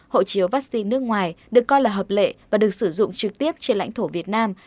hộ chiếu vaccine nước ngoài được coi là hợp lệ và được sử dụng trực tiếp trên lãnh thổ việt nam